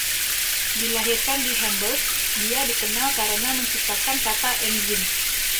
Dilahirkan di Hamburg, dia dikenal karena menciptakan kata enzim.